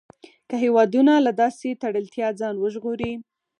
که هېوادونه له داسې تړلتیا ځان وژغوري.